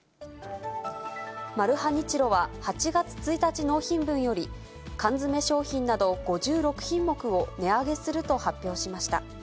マルハニチロは８月１日納品分より、缶詰商品など５６品目を値上げすると発表しました。